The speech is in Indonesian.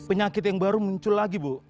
penyakit yang baru muncul lagi bu